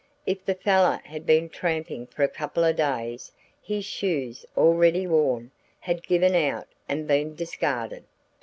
If the fellow had been tramping for a couple of days his shoes, already worn, had given out and been discarded.